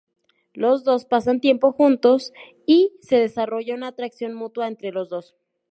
Los dos pasan tiempo juntos, y se desarrolla una atracción mutua entre los dos.